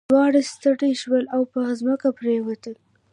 دواړه ستړي شول او په ځمکه پریوتل.